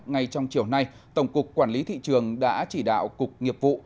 ngay trong chiều nay tổng cục quản lý thị trường đã chỉ đạo cục nghiệp vụ